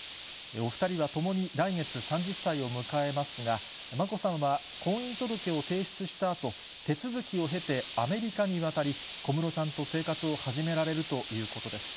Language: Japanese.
お２人は共に来月３０歳を迎えますが、まこさまは婚姻届を提出したあと、手続きを経て、アメリカに渡り、小室さんと生活を始められるということです。